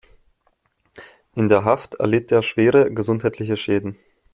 In der Haft erlitt er schwere gesundheitliche Schäden.